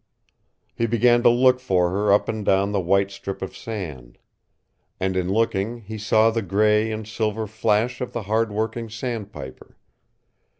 He began to look for her up and down the white strip of sand. And in looking he saw the gray and silver flash of the hard working sandpiper.